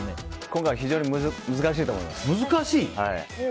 今回は非常に難しいと思います。